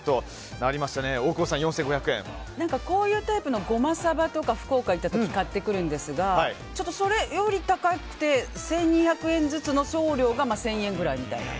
こういうタイプのゴマサバとか福岡に行った時買ってくるんですがそれより高くて１２００円ずつの送料が１０００円くらいみたいな。